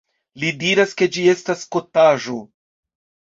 Li diras, ke ĝi estas kotaĵo!